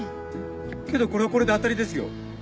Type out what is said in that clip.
けどこれはこれでアタリですよ。